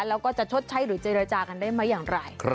แล้วก็จะชดใช้หรือเจรจากันได้ไหมอย่างไร